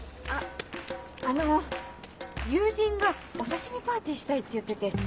ああの友人がお刺し身パーティーしたいって言ってて。